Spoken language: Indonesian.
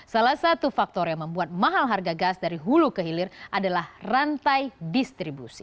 salah satu faktor yang membuat mahal harga gas dari hulu ke hilir adalah rantai distribusi